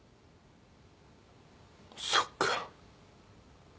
そっか。